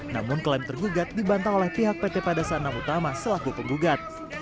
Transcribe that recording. namun klaim tergugat dibantah oleh pihak pt padasana utama selaku penggugat